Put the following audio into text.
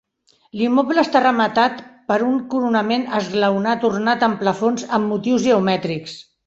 L'immoble està rematat per un coronament esglaonat ornat amb plafons amb motius geomètrics.